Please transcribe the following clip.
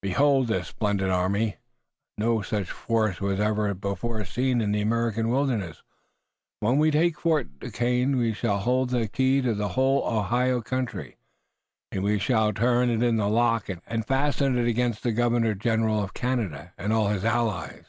"Behold this splendid army! No such force was ever before sent into the American wilderness. When we take Fort Duquesne we shall hold the key to the whole Ohio country, and we shall turn it in the lock and fasten it against the Governor General of Canada and all his allies."